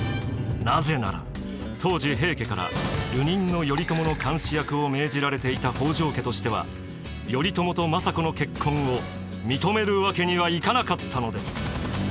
なぜなら当時平家から流人の頼朝の監視役を命じられていた北条家としては頼朝と政子の結婚を認めるわけにはいかなかったのです。